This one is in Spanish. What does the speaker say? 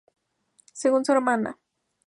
Según su hermana, Mrs.